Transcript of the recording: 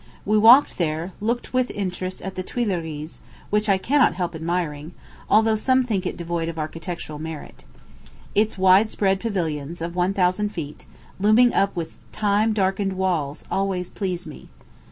We walked there, looking with interest at the Tuileries, which I cannot help admiring, although some think it devoid of architectural merit. Its wide spread pavilions of one thousand feet, looming up with time darkened walls, always please me.